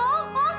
sadar kamu nak